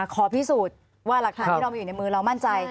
ขอพิสูจน์ว่าหลักฐานที่เรามีอยู่ในมือเรามั่นใจ